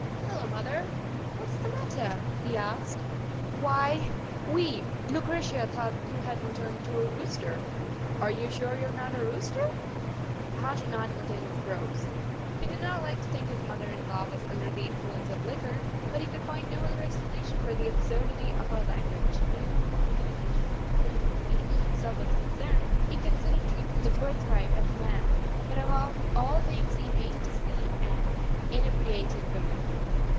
[ 47 ]" Hello, mother! what's the matter?" he asked. " Why, we—Lucretia thought you had been turned into a rooster. Are you sure you're not a rooster?" Algernon knitted his brows; he did not like to think his mother in law was under the influence of liquor, but he could find no other explanation for the absurdity of her language. He did not mind an oc¬ casional frolic when he himself was concerned; he considered drinking the birthright of man, but above all things he hated to see an inebriated woman.